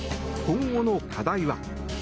今後の課題は？